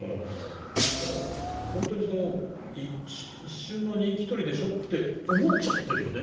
なんか本当に一瞬の人気取りでしょって思っちゃってるよね。